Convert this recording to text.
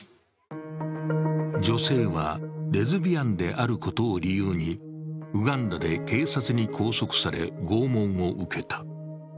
女性はレズビアンであることを理由にウガンダで警察に拘束され拷問を受けた。